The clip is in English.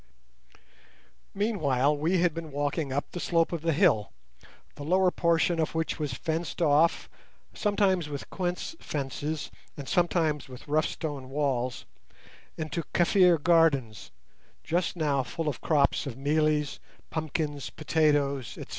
Meanwhile we had been walking up the slope of the hill, the lower portion of which was fenced off, sometimes with quince fences and sometimes with rough stone walls, into Kaffir gardens, just now full of crops of mealies, pumpkins, potatoes, etc.